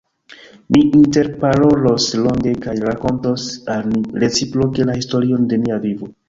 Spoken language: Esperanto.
Ni interparolos longe kaj rakontos al ni reciproke la historion de nia vivo.